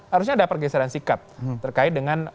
harusnya ada pergeseran sikap terkait dengan